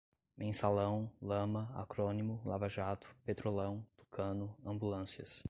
mensalão, lama, acrônimo, lava-jato, petrolão, tucano, ambulâncias